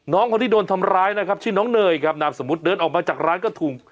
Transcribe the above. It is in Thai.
คนที่โดนทำร้ายนะครับชื่อน้องเนยครับนามสมมุติเดินออกมาจากร้านก็ถูก